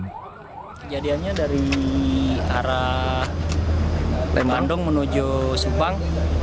kejadiannya dari arah bandung menuju subang